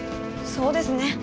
そうですね。